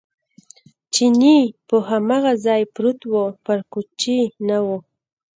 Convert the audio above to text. چیني په هماغه ځای پروت و، پر کوچې نه و.